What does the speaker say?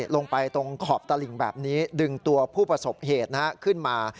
ลงไปตรงขอบตลิ่งแบบนี้ดึงตัวผู้ประสบเหตุขึ้นมา